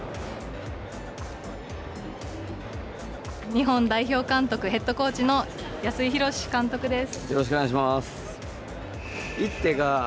日本代表監督ヘッドコーチの安井博志監督です。